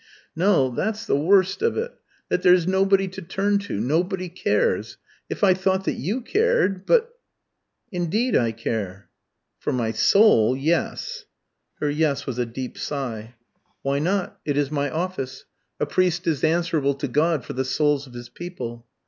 "No; that's the worst of it, that there's nobody to turn to nobody cares. If I thought that you cared but " "Indeed I care." "For my soul yes." Her "yes" was a deep sigh. "Why not? It is my office. A priest is answerable to God for the souls of his people."